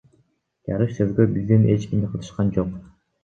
Жарыш сөзгө бизден эч ким катышкан жок.